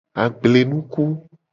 Agblenuku.